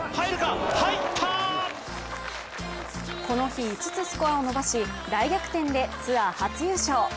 この日、５つスコアを伸ばし大逆転でツアー初優勝。